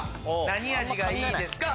何味がいいですか？